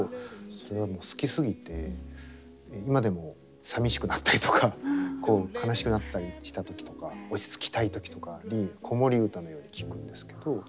それがもう好きすぎて今でもさみしくなったりとかこう悲しくなったりした時とか落ち着きたい時とかに子守唄のように聴くんですけど。